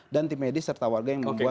dan tim medis serta warga yang membuat